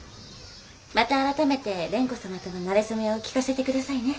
また改めて蓮子様とのなれ初めを聞かせて下さいね。